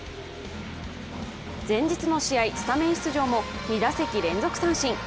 前日の試合、スタメン出場も２打席連続三振。